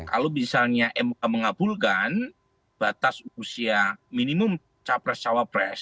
kalau misalnya mk mengabulkan batas usia minimum capres cawapres